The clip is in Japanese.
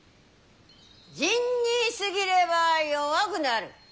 仁に過ぎれば弱くなる！